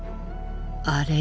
あれ？